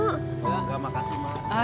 enggak enggak makasih mak